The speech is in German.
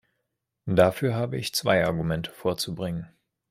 Dafür habe ich zwei Argumente vorzubringen.